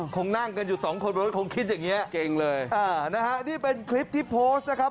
คงนั่งกันอยู่สองคนรถคงคิดอย่างเงี้เก่งเลยอ่านะฮะนี่เป็นคลิปที่โพสต์นะครับ